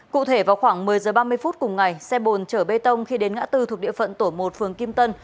cụ thể vào khoảng một mươi h ba mươi phút cùng ngày xe bồn chở bê tông khi đến ngã tư thuộc địa phận tổ một phường kim tân